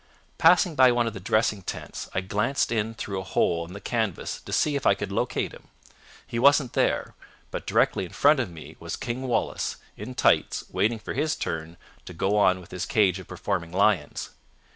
"Passing by one of the dressing tents I glanced in through a hole in the canvas to see if I could locate him. He wasn't there, but directly in front of me was King Wallace, in tights, waiting for his turn to go on with his cage of performing lions.